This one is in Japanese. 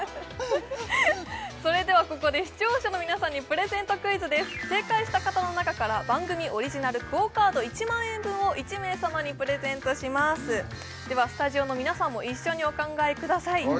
それではここで視聴者の皆さんにプレゼントクイズです正解した方の中から番組オリジナルＱＵＯカード１万円分を１名様にプレゼントしますではスタジオの皆さんも一緒にお考えください